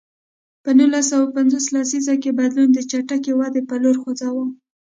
په نولس سوه پنځوس لسیزه کې بدلون د چټکې ودې په لور خوځاوه.